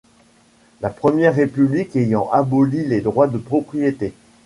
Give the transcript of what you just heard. La Première République ayant aboli les droits de propriété.